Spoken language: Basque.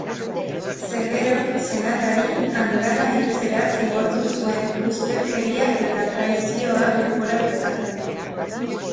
Severok senatari andana hiltzera zigortu zuen, ustelkeria eta traizioa leporatuta.